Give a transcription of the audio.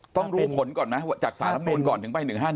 ต้องรู้ผลก่อนไหมจากสารลำนูนก่อนถึงไป๑๕๑